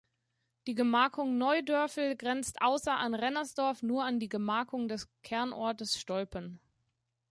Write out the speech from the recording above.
Die Gemarkung Neudörfel grenzt außer an Rennersdorf nur an die Gemarkung des Kernortes Stolpen.